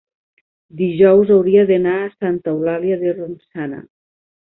dijous hauria d'anar a Santa Eulàlia de Ronçana.